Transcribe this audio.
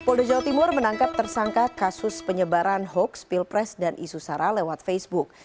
polda jawa timur menangkap tersangka kasus penyebaran hoax pilpres dan isu sara lewat facebook